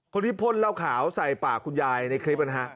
คนที่พ่นเล่าขาวใส่ปากคุณยายในคลิปนั้นฮะ